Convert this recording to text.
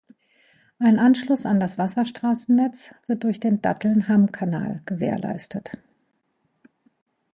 Ein Anschluss an das Wasserstraßennetz wird durch den Datteln-Hamm-Kanal gewährleistet.